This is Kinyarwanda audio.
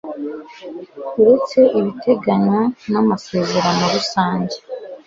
uretse ibiteganywa n amasezerano rusange